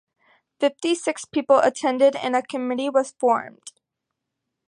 Fifty-six people attended and a committee was formed.